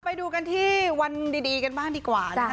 ไปดูกันที่วันดีกันบ้างดีกว่านะคะ